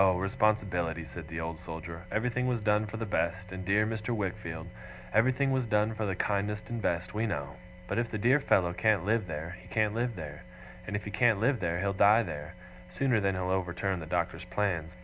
Responsibility!' said the Old Soldier. 'Everything was done for the best, my dear Mr. Wickfield; everything was done for the kindest and best, we know. But if the dear fellow can't live there, he can't live there. And if he can't live there, he'll die there, sooner than he'll overturn the Doctor's plans.